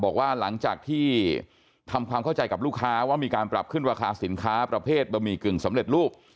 บอกว่าหลังจากที่ทำความเข้าใจกับลูกค้าว่ามีการปรับขึ้นราคาสินค้าประเภทบะหมี่กึ่งสำเร็จรูป